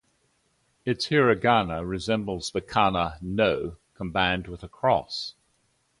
Its hiragana resembles the kana no combined with a cross.